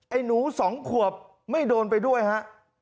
ไอ้หนูสองขวบไม่โดนไปด้วยฮะ